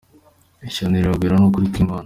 Ishyano riragwira ni ukuri kw’Imana !